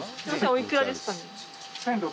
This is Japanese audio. お幾らですかね？